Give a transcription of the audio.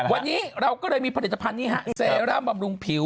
วันนี้เราก็เลยมีผลิตภัณฑ์นี้ฮะเซร่าบำรุงผิว